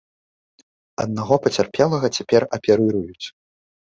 Аднаго пацярпелага цяпер аперыруюць.